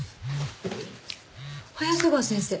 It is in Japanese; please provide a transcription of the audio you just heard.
早瀬川先生。